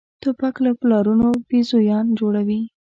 توپک له پلارونو بېزویان جوړوي.